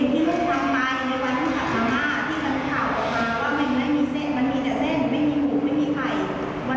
อย่าลืมกลุ่มทับถ้ามันไม่มีจริงอย่างที่เขาว่าต้องออกไทรภาพไทยในจากวันเจ็ดมึง